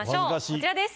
こちらです。